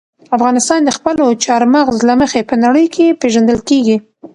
افغانستان د خپلو چار مغز له مخې په نړۍ کې پېژندل کېږي.